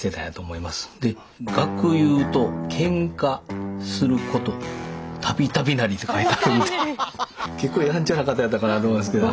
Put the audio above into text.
で学友と喧嘩すること度々なりって書いてあるんで結構やんちゃな方やったかなと思いますけど。